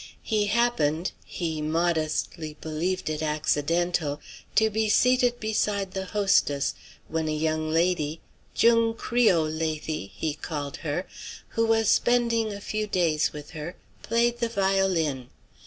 He happened he modestly believed it accidental to be seated beside the hostess, when a young lady "jung Creole la thy," he called her who was spending a few days with her, played the violin.